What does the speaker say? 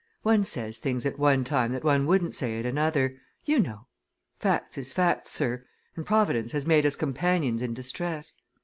"One says things at one time that one wouldn't say at another, you know. Facts is facts, sir, and Providence has made us companions in distress.